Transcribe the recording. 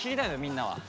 みんなは。